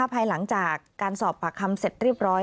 ภายหลังจากการสอบปากคำเสร็จเรียบร้อย